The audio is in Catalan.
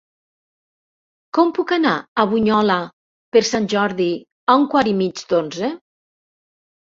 Com puc anar a Bunyola per Sant Jordi a un quart i mig d'onze?